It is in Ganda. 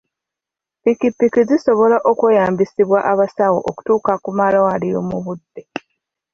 Ppikipiki zisobola okweyambisibwa abasawo okutuuka ku malwaliro mu budde.